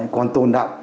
còn tồn đọng